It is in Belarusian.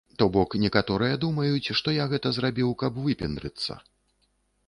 То бок, некаторыя думаюць, што я гэта зрабіў, каб выпендрыцца.